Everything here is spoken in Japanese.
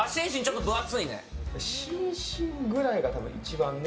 シンシンくらいが一番ね。